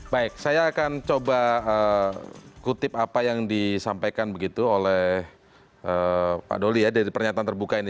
baik saya akan coba kutip apa yang disampaikan begitu oleh pak doli ya dari pernyataan terbuka ini